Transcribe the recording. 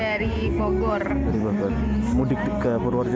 dari bogor mudik ke purworejo